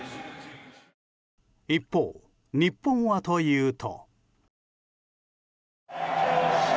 一方、日本はというと。